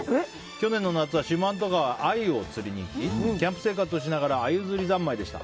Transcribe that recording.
去年の夏は四万十川にアユを釣りに行きキャンプ生活をしながらアユ釣り三昧でした。